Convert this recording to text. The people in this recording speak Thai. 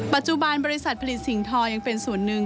ปัจจุบันบริษัทผลิตสิ่งทอยังเป็นส่วนหนึ่ง